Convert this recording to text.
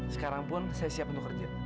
sekarang pun saya siap bekerja